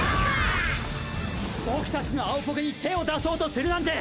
僕たちの青ポケに手を出そうとするなんて！